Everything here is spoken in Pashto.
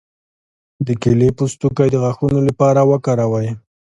د کیلې پوستکی د غاښونو لپاره وکاروئ